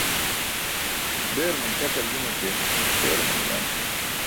Beeruman śakar gima ke teeruman uyam.